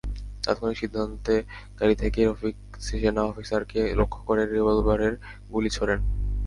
তাত্ক্ষণিক সিদ্ধান্তে গাড়ি থেকেই রফিক সেনা অফিসারকে লক্ষ্য করে রিভলবারের গুলি ছোড়েন।